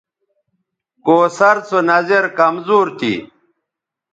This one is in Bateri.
کوثر سو نظِر کمزور تھی